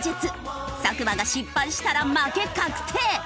作間が失敗したら負け確定。